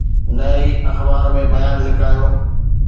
نه ئي اخبار ۾ بيان لڪايو.